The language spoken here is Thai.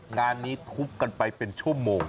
งานนี้ทุบกันไปเป็นชั่วโมง